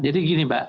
jadi gini mbak